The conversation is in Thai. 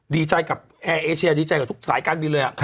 ดีใจกับแอร์เอเชียดีใจกับทุกสายการบินเลย